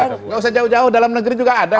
gak usah jauh jauh dalam negeri juga ada kok